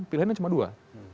pilihannya cuma dua